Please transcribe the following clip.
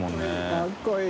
かっこいい。